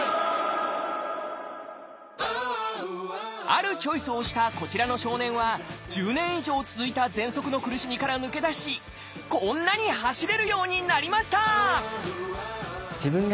あるチョイスをしたこちらの少年は１０年以上続いたぜんそくの苦しみから抜け出しこんなに走れるようになりました！